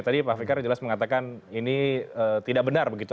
tadi pak fikar jelas mengatakan ini tidak benar begitu